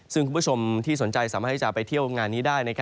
ซึ่งคุณผู้ชมที่สนใจสามารถที่จะไปเที่ยวงานนี้ได้